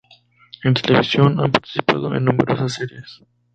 En televisión ha participado en numerosas series.